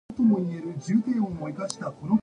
Its name is Latin for hare.